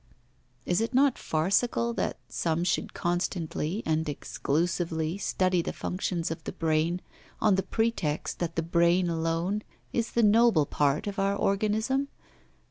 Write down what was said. Is it not farcical that some should constantly and exclusively study the functions of the brain on the pretext that the brain alone is the noble part of our organism?